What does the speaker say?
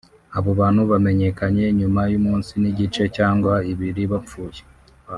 Abo bantu bamenyekanye nyuma y’umunsi n’igice cyangwa ibiri bapfuye